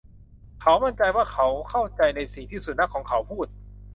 เขามั่นใจว่าเขาเข้าใจในสิ่งที่สุนัขของเขาพูด